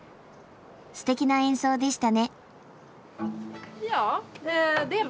ステキな演奏でしたね。